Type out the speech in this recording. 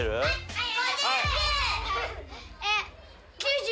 はい！